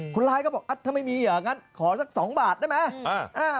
คนร้ายก็บอกถ้าไม่มีงั้นขอสัก๒บาทได้ไหม